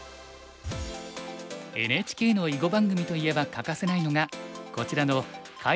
ＮＨＫの囲碁番組といえば欠かせないのがこちらの解説用の大盤です。